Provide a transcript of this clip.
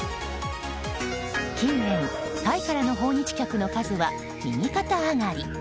近年、タイからの訪日客の数は右肩上がり。